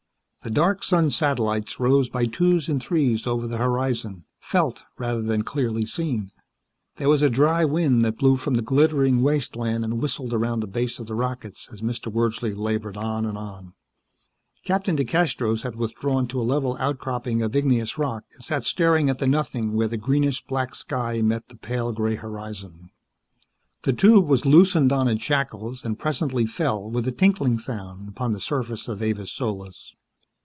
The dark sun satellites rose by twos and threes over the horizon, felt rather than clearly seen. There was a dry wind that blew from the glittering wasteland and whistled around the base of the rockets as Mr. Wordsley labored on and on. Captain DeCastros had withdrawn to a level outcropping of igneous rock and sat staring at the nothing where the greenish black sky met the pale gray horizon. The tube was loosened on its shackles and presently fell, with a tinkling sound, upon the surface of Avis Solis.